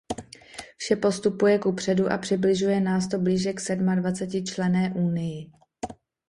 Vše postupuje kupředu a přibližuje nás to blíže sedmadvacetičlenné Unii.